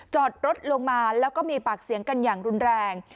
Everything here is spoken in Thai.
จอดรถลงมาแล้วก็มีปากเสียงกันอย่างรุนแรง